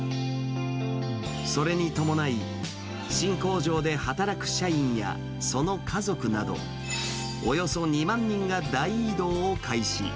それに伴い、新工場で働く社員や、その家族など、およそ２万人が大移動を開始。